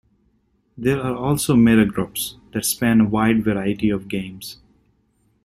There are also meta-groups that span a wide variety of games.